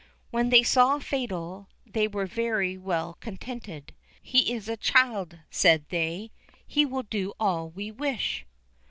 When they saw Fatal, they were very well contented. "He is a child," said they; "he will do all we wish."